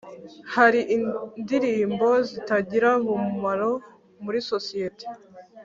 harindirimbo zitagirabumumaro muri sosiyete